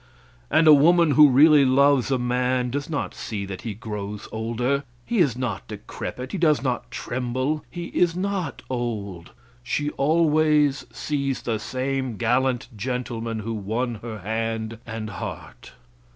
And a woman who really loves a man, does not see that he grows older; he is not decrepit; he does not tremble; he is not old; she always sees the same gallant gentleman who won her hand and heart.